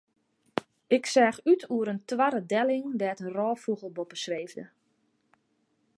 Ik seach út oer in toarre delling dêr't in rôffûgel boppe sweefde.